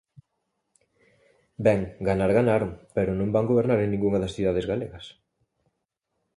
Ben, ganar ganaron, pero non van gobernar en ningunha das cidades galegas.